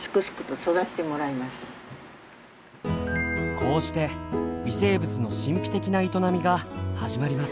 こうして微生物の神秘的な営みが始まります。